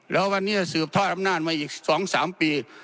แล้ววันนี้จะสืบทอดอำนาจมาอีก๒๓ปี